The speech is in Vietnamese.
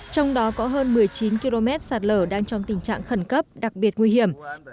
trong đó có hơn một mươi chín km sạt lở đang trong tình trạng khẩn cấp đặc biệt nguy hiểm